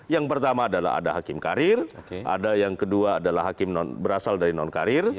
yang pertama adalah ada hakim karir ada yang kedua adalah hakim non berasal dari non karir